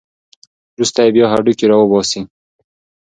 وروسته یې بیا هډوکي راوباسي.